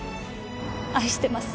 愛しています。